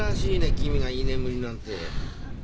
君が居眠りなんて。